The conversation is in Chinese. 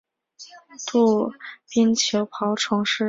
杜宾球孢虫为球孢科球孢虫属的动物。